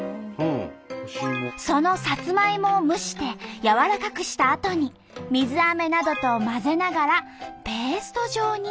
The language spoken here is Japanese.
そのサツマイモを蒸して軟らかくしたあとに水あめなどと混ぜながらペースト状に。